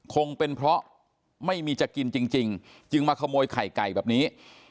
คงเป็นเพราะไม่มีจะกินจริงจึงมาขโมยไข่ไก่แบบนี้